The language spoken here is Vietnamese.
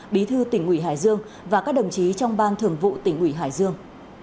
bí thư tỉnh ủy hải dương và các đồng chí trong ban thường vụ tỉnh ủy hải dương